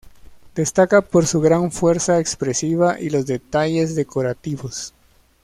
Destaca por su gran fuerza expresiva y los detalles decorativos.